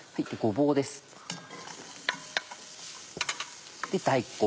大根